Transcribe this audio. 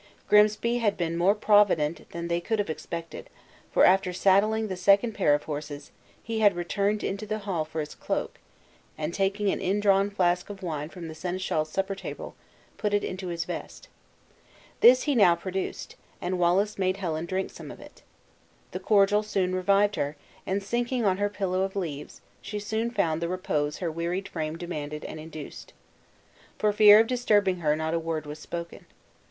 Grimsby had been more provident than they could have expected; for after saddling the second pair of horses, he had returned into the hall for his cloak, and taking an undrawn flask of wine from the seneschal's supper table, put it into his vest. This he now produced, and Wallace made Helen drink some of it. The cordial soon revived her, and sinking on her pillow of leaves, she soon found the repose her wearied frame demanded and induced. For fear of disturbing her not a word was spoken.